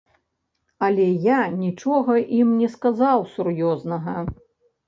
Але я нічога ім не сказаў сур'ёзнага.